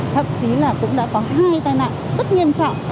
thậm chí là cũng đã có hai tai nạn rất nghiêm trọng